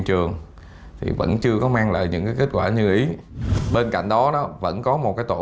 cảm ơn các bạn đã theo dõi